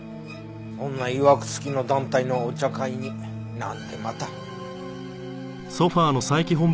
そんないわくつきの団体のお茶会になんでまた。